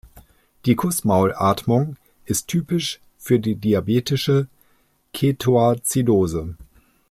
Die Kussmaul-Atmung ist typisch für die diabetische Ketoazidose.